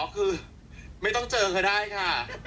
อ๋อคือไม่ต้องเจอก็ได้ค่ะ